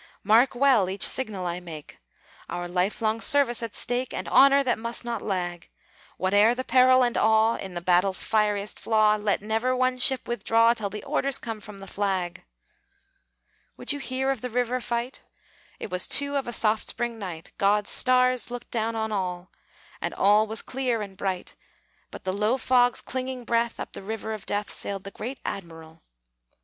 "Mark well each signal I make (Our life long service at stake, And honor that must not lag!), Whate'er the peril and awe, In the battle's fieriest flaw, Let never one ship withdraw Till the orders come from the flag!" Would you hear of the river fight? It was two of a soft spring night; God's stars looked down on all; And all was clear and bright But the low fog's clinging breath; Up the River of Death Sailed the great Admiral.